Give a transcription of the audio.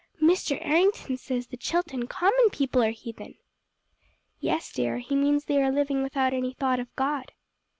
"Mr. Errington says the Chilton Common people are heathen!" "Yes, dear, he means they are living without any thought of God."